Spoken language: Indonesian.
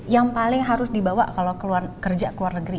yang paling harus dibawa kalau kerja ke luar negeri